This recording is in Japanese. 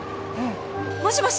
もしもし！